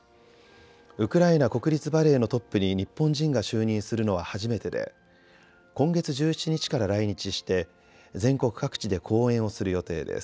ウクライナ国立バレエのトップに日本人が就任するのは初めてで今月１７日から来日して全国各地で公演をする予定です。